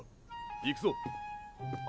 行くぞ。